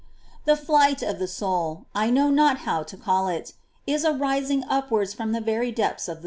11. The flight of the spirit — I know not how to call it — is a rising upwards from the very depths of fplg^.